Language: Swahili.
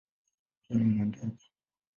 Pia ni wawindaji.